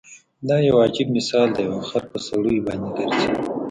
دا يو عجیب مثال دی او خر په سړیو باندې ګرځي.